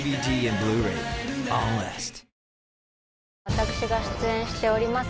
私が出演しております